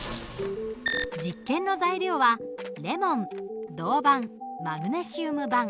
実験の材料はレモン銅板マグネシウム板。